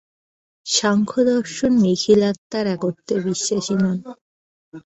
সাংখ্যদর্শন নিখিল আত্মার একত্বে বিশ্বাসী নন।